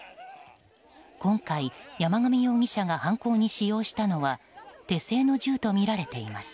今回、山上容疑者が犯行に使用したのは手製の銃とみられています。